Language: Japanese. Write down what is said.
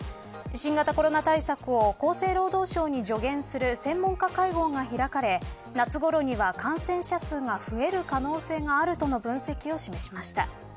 新型コロナ対策を厚生労働省に助言する専門家会合が開かれ夏ごろには感染者数が増える可能性があるとの分析を示しました。